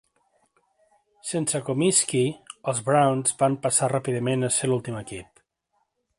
Sense Comiskey, els Browns van passar ràpidament a ser l'últim equip.